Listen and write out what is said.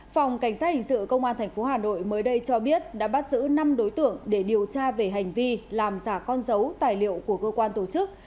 phòng cảnh sát hình sự công an tp hà nội mới đây cho biết đã bắt giữ năm đối tượng để điều tra về hành vi làm giả con dấu tài liệu của cơ quan tổ chức